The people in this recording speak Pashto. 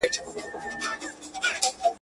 يوه کډه د بلي کډي زړه کاږي.